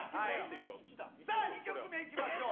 さあ、２曲目いきましょう。